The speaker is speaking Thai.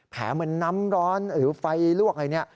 เหมือนน้ำร้อนหรือไฟลวกอะไรเนี่ย